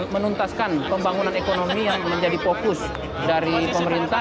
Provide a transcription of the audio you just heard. menuntaskan pembangunan ekonomi yang menjadi fokus dari pemerintah